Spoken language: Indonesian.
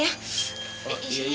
yaudah yaudah ma